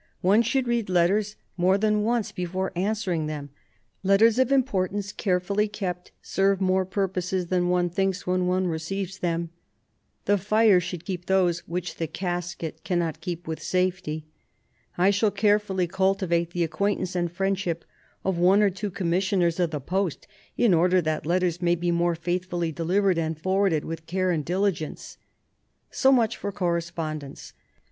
... One should read letters more than once before answering them. ... Letters of importance, carefully kept, serve more purposes than one thinks when one receives them. ... The fire should keep those which the casket cannot keep with safety. ... I shall carefully cultivate the acquaintance and friendship of one or two Commissioners of the Post, in order that letters may be more faithfully delivered and forwarded with care and diligence. ..." So much for correspondence.